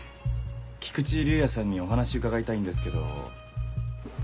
菊池竜哉さんにお話伺いたいんですけど。